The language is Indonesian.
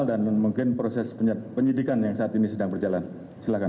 dan mungkin proses penyidikan yang saat ini sedang berjalan silakan